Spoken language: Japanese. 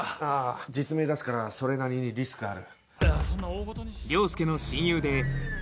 実名出すからそれなりにリスクある。